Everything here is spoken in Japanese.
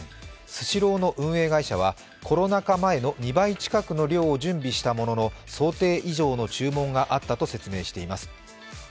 スシローの運営会社はコロナ禍前の２倍近くの量を準備したものの想定以上の注文があったと説明しています。